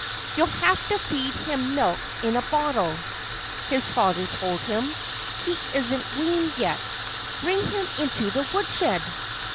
"You'll have to feed him milk in a bottle," his father told him. "He isn't weaned yet. Bring him into the woodshed!"